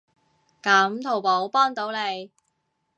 噉淘寶幫到你